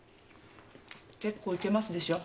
結構いけますでしょ？